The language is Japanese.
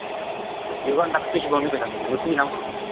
ゆがんだ靴ひもを見る度に結び直したくなる。